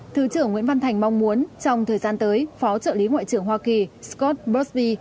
thứ trưởng nguyễn văn thành mong muốn trong thời gian tới phó trợ lý ngoại trưởng hoa kỳ scott bersbi